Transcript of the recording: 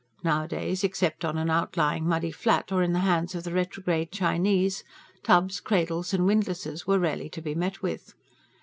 Nowadays, except on an outlying muddy flat or in the hands of the retrograde Chinese, tubs, cradles, and windlasses were rarely to be met with.